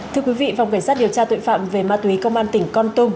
thưa quý vị phòng cảnh sát điều tra tội phạm về ma túy công an tỉnh con tum